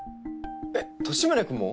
えっ利宗君も？